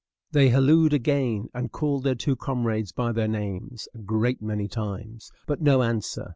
They hallooed, again, and called their two comrades by their names a great many times; but no answer.